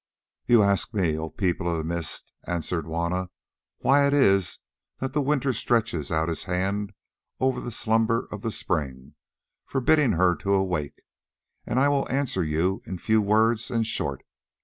"Ye ask me, O People of the Mist," answered Juanna, "why it is that the winter stretches out his hand over the slumber of the spring, forbidding her to awake, and I will answer you in few words and short.